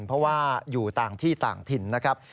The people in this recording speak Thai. เพราะว่าอยู่ต่างที่ต่างถิ่นนะครับ